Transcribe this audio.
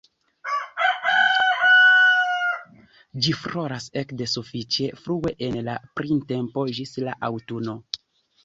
Ĝi floras ekde sufiĉe frue en la printempo ĝis la aŭtuno.